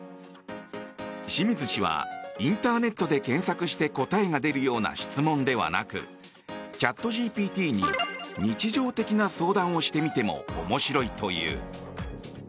清水氏はインターネットで検索して答えが出るような質問ではなくチャットＧＰＴに日常的な相談をしてみても面白いという。